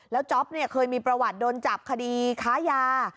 แล้วจ๊อปเนี่ยเคยมีประวัติโดนจับคดีค้ายา